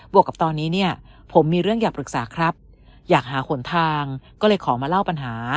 วกกับตอนนี้เนี่ยผมมีเรื่องอยากปรึกษาครับอยากหาหนทางก็เลยขอมาเล่าปัญหา